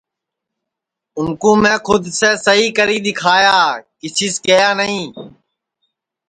اُن کُو میں کھود سے سہی کری دؔیکھائیاں کیسی کیہیا نائی